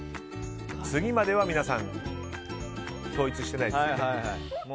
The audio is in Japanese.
次までは皆さん統一してないです。